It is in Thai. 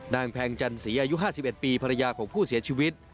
แพงจันสีอายุ๕๑ปีภรรยาของผู้เสียชีวิต